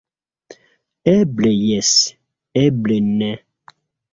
Eble jes, eble ne.